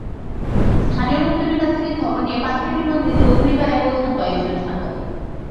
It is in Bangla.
স্থানীয় লোকজনের কাছ থেকে খবর নিয়ে পাঁচ মিনিটের মধ্যে চৌধুরীপাড়ায় পৌঁছান কয়েকজন সাংবাদিক।